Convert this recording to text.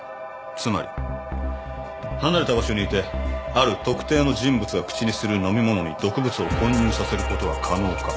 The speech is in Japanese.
つまり離れた場所にいてある特定の人物が口にする飲み物に毒物を混入させることは可能か？